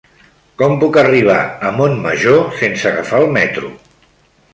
Com puc arribar a Montmajor sense agafar el metro?